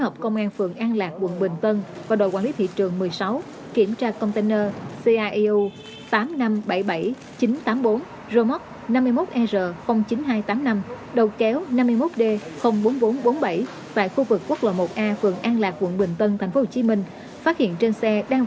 phối hợp công an phường an lạc quận bình tân